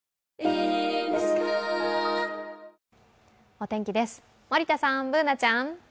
お天気です、森田さん、Ｂｏｏｎａちゃん。